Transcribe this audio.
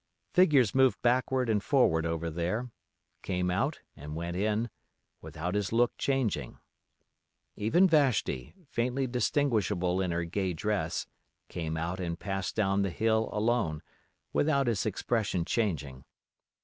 Figures moved backward and forward over there, came out and went in, without his look changing. Even Vashti, faintly distinguishable in her gay dress, came out and passed down the hill alone, without his expression changing.